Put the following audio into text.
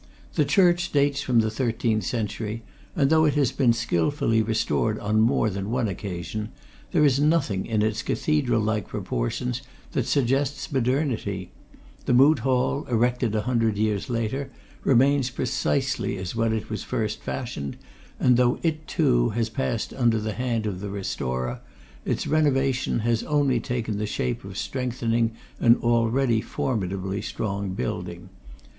The church dates from the thirteenth century and, though it has been skilfully restored on more than one occasion, there is nothing in its cathedral like proportions that suggests modernity; the Moot Hall, erected a hundred years later, remains precisely as when it was first fashioned, and though it, too, has passed under the hand of the restorer its renovation has only taken the shape of strengthening an already formidably strong building.